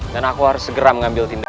dan aku harus segera mengambil tindakan